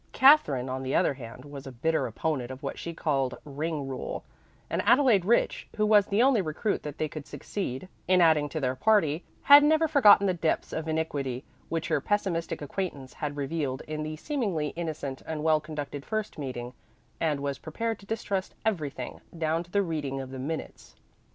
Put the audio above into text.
Katherine, on the other hand, was a bitter opponent of what she called "ring rule," and Adelaide Rich, who was the only recruit that they could succeed in adding to their party, had never forgotten the depths of iniquity which her pessimistic acquaintance had revealed in the seemingly innocent and well conducted first meeting, and was prepared to distrust everything, down to the reading of the minutes.